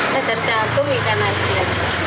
dadar jagung ikan asin